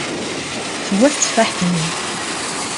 Tewwa tetteffaḥt-nni.